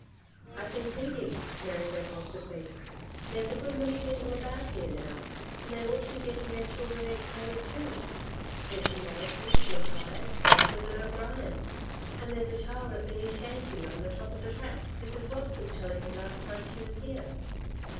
"I've been thinking," Mary went on quickly, "there's a good many people about here now, and they ought to be getting their children educated too. There's the Morrisons, Mackays, Rosses and O'Brians. And there's a child at the new shanty on the top of the track, Mrs. Ross was telling me, last time she was here.